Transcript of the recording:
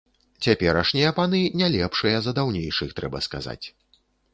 Цяперашнія паны не лепшыя за даўнейшых, трэба сказаць.